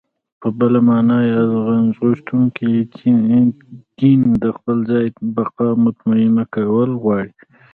په بله مانا ياد ځانغوښتونکی جېن د خپل ځان بقا مطمينه کول غواړي.